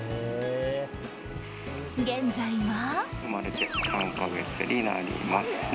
現在は。